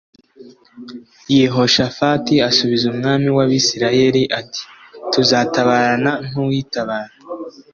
Yehoshafati asubiza umwami w’Abisirayeli ati “Tuzatabarana nk’uwitabara